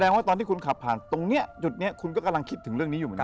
ว่าตอนที่คุณขับผ่านตรงนี้จุดนี้คุณก็กำลังคิดถึงเรื่องนี้อยู่เหมือนกัน